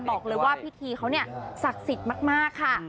บอกเลยว่าพิธีเขาเนี่ยศักดิ์สิทธิ์มากค่ะ